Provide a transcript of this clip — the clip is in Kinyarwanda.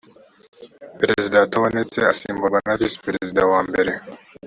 perezida atabonetse asimburwa na visi perezida wa mbere